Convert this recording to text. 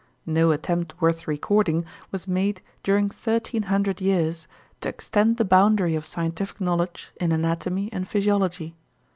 No attempt worth recording was made during thirteen hundred years to extend the boundary of scientific knowledge in anatomy and physiology.